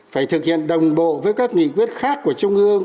phải thực hiện đồng bộ với các nghị quyết khác của trung ương